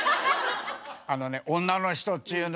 あのね女の人っちゅうのはね